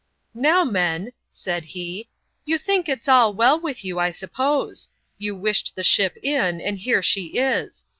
" Now, men," said he, " you think it's all well with you, I suppose. You wished the ship in, and here she is.